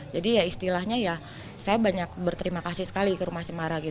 jadi istilahnya saya banyak berterima kasih sekali ke rumah cemara